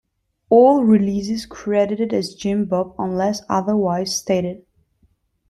All releases credited as Jim Bob unless otherwise stated.